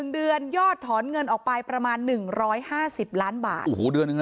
๑เดือนยอดถอนเงิน๑๕๐หลานบาท